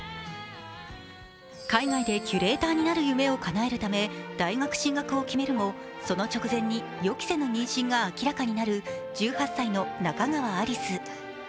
海外でキュレーターになる夢をかなえるため大学進学を決めるもその直前に予期せぬ妊娠が明らかになる１８歳の仲川有栖。